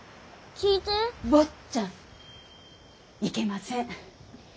坊ちゃんいけません。